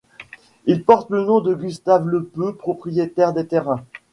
Il porte le nom de Gustave Lepeu, propriétaire des terrains.